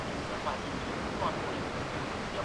有关布尔人国家的早期历史参见第一次布尔战争。